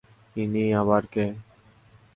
ইনি আবার কে?